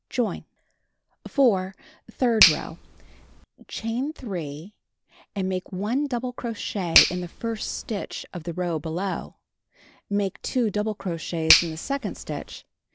Join. 4. Third row: Chain 3, and make 1 double cro chet in the first stitch of the row below. Make 2 double crochets in the second stitch.